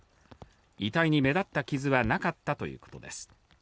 遺体に目立った傷はなかったということです。